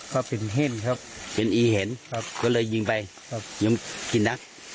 ก็เป็นเห็นครับเป็นอีเห็นครับก็เลยยิงไปครับยิงกี่นัด